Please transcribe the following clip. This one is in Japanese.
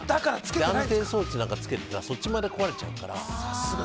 安定装置なんかつけたらそっちまで壊れちゃうから。